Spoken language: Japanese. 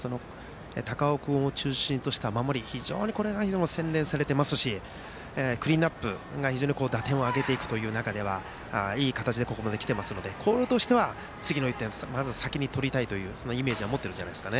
高尾君を中心とした守りが非常に洗練されていますしクリーンナップが非常に打点を挙げていく中でいい形でここまで来ていますので広陵としては次の１点、先に取りたいというイメージは持っていると思います。